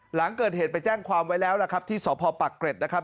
หลังเกิดเหตุไปแจ้งความไว้แล้วล่ะครับที่สพปักเกร็ดนะครับ